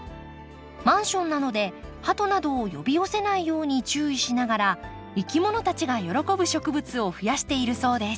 マンションなのでハトなどを呼び寄せないように注意しながらいきものたちが喜ぶ植物をふやしているそうです。